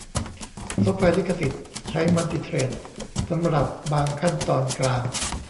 ซอฟต์แวร์ลิขสิทธิ์ใช้มัลติเธรดสำหรับบางขั้นตอนกลาง